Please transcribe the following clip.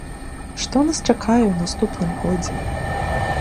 Што нас чакае ў наступным годзе?